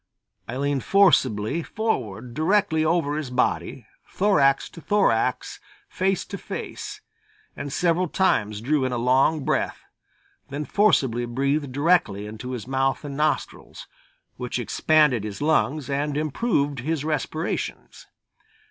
I leaned forcibly forward directly over his body, thorax to thorax, face to face, and several times drew in a long breath, then forcibly breathed directly into his mouth and nostrils, which expanded his lungs and improved his respirations.